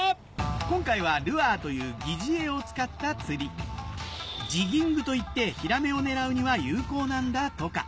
今回はルアーという疑似餌を使った釣りジギングといってヒラメを狙うには有効なんだとか